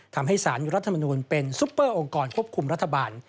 ทำให้สารรัฐมนูลเป็นซุปเปอร์องค์กรควบคุมรัฐบาล